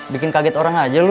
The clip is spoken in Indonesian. bikin kaget orang aja lu